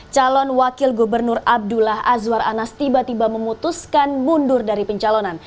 calon wakil gubernur abdullah azwar anas tiba tiba memutuskan mundur dari pencalonan